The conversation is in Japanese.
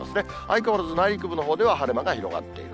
相変わらず内陸部のほうでは晴れ間が広がっている。